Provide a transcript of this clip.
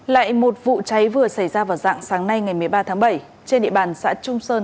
lại một vụ cháy vừa xảy ra vào dạng sáng nay ngày một mươi ba tháng bảy trên địa bàn xã trung sơn